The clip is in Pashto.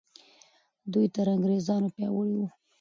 دوی تر انګریزانو پیاوړي وو.